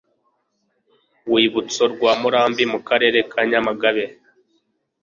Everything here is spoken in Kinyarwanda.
uwibutso rwa murambi mu karere ka nyamagabe